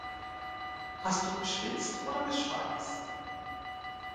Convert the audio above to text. Hast du geschwitzt oder geschweißt?